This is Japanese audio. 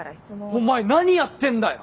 お前何やってんだよ！